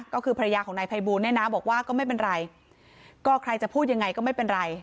ก็คือภรรยาของนายภัยบูลเนี่ยนะบอกว่าก็ไม่เป็นไรก็ใครจะพูดยังไงก็ไม่เป็นไร